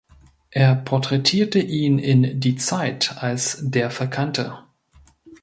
Er porträtierte ihn in "Die Zeit" als „Der Verkannte“.